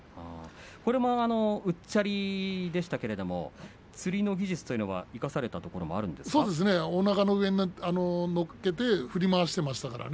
これもうっちゃりでしたけれどもつりの技術というのは生かされたおなかの上に乗っけて振り回していましたからね。